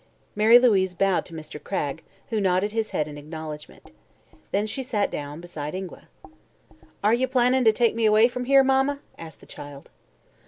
Mary Louise bowed to Mr. Cragg, who nodded his head in acknowledgment. Then she sat down beside Ingua. "Are you plannin' to take me away from here, Mama?" asked the child.